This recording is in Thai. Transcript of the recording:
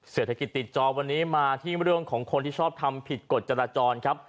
เศรษฐกิจติดจอวันนี้มาที่เรื่องของคนที่ชอบทำผิดกฎจราจรครับ